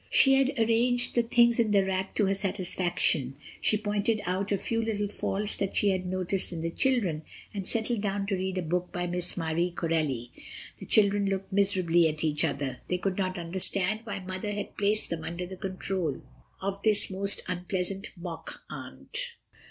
When she had arranged the things in the rack to her satisfaction she pointed out a few little faults that she had noticed in the children and settled down to read a book by Miss Marie Corelli. The children looked miserably at each other. They could not understand why Mother had placed them under the control of this most unpleasant mock aunt.